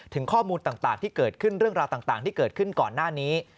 ข้อมูลต่างที่เกิดขึ้นเรื่องราวต่างที่เกิดขึ้นก่อนหน้านี้